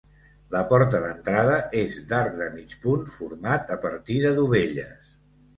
La porta d'entrada és d'arc de mig punt, format a partir de dovelles.